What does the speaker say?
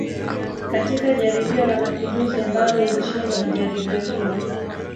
Katika jaribio la mapinduzi ambalo lilishindwa na jaribio hilo